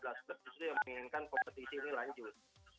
yang menginginkan kompetisi ini lanjut